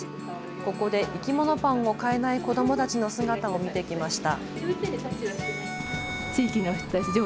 ここでいきものパンを買えない子どもたちの姿を見てきました。